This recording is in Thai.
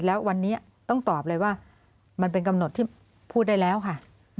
แล้ววันนี้ต้องตอบเลยว่ามันเป็นกำหนดที่พูดได้แล้วค่ะ